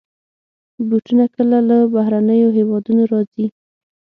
بوټونه کله له بهرنيو هېوادونو راځي.